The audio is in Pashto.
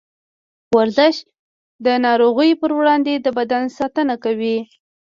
ورزش د نارغيو پر وړاندې د بدن ساتنه کوي.